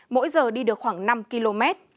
mỗi giờ đi được khoảng năm km